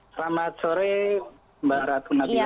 selamat sore mbak ratunabia